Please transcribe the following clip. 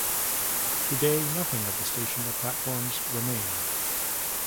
Today, nothing of the station or platforms remain.